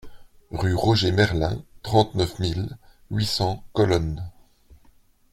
Rue Roger Merlin, trente-neuf mille huit cents Colonne